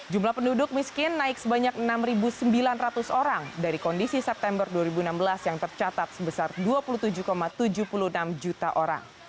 jumlah penduduk miskin naik sebanyak enam sembilan ratus orang dari kondisi september dua ribu enam belas yang tercatat sebesar dua puluh tujuh tujuh puluh enam juta orang